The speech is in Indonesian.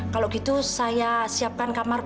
kalau gitu saya siapkan kamar man